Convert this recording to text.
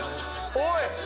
おい